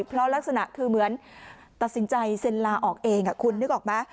เพราะลักษณะคือเหมือนตัดสินใจเซ็นลาออกเองคุณนึกออกไหม